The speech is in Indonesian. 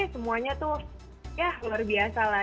semuanya tuh ya luar biasa lah